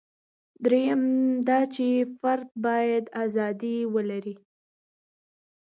درېیم دا چې فرد باید ازادي ولري.